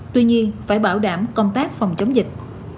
tuy nhiên phải bảo đảm công tác phòng chống dịch